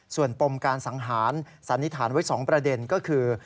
ส่วนปมการสังหารสันนิษฐานไว้๒ประเด็นก็คือ